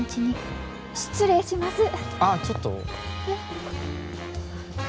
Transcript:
えっ。